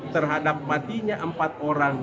terhadap matinya empat orang